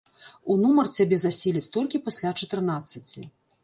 У нумар цябе заселяць толькі пасля чатырнаццаці.